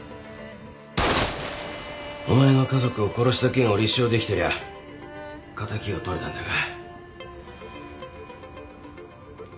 お前の家族を殺した件を立証できてりゃ敵を取れたんだが。